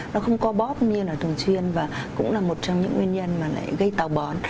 nó không co bóp như thường xuyên và cũng là một trong những nguyên nhân gây tàu bón